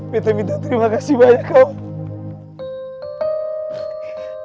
minta minta terima kasih banyak kawan